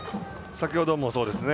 先ほどもそうですね。